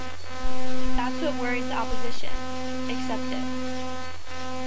That’s what worries the opposition: accept it.